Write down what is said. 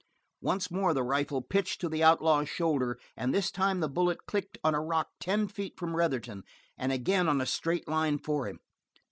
Once more the rifle pitched to the outlaw's shoulder, and this time the bullet clicked on a rock not ten feet from Retherton, and again on a straight line for him.